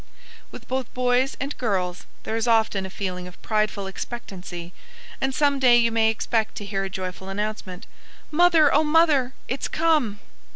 With both boys and girls there is often a feeling of prideful expectancy, and some day you may expect to hear a joyful announcement, "Mother, oh, Mother it's come!"